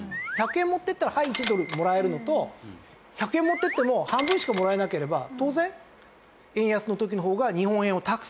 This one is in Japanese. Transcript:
１００円持って行ったら「はい１ドル」ってもらえるのと１００円持って行っても半分しかもらえなければ当然円安の時の方が日本円をたくさん用意しなきゃいけない。